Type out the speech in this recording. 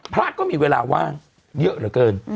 พระก็มีเวลาว่างเยอะเหลือเกิน